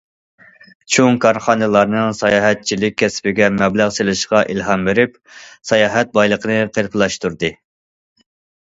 چوڭ كارخانىلارنىڭ ساياھەتچىلىك كەسپىگە مەبلەغ سېلىشىغا ئىلھام بېرىپ، ساياھەت بايلىقىنى قېلىپلاشتۇردى.